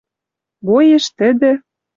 боеш тӹдӹ